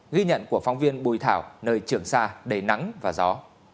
ghi nhận của phóng viên bùi thảo nơi trường sa đầy nắng và gió